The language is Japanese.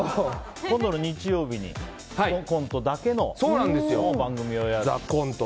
今度の日曜日にコントだけの番組をやると。